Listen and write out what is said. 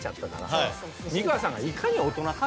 美川さんがいかに大人か。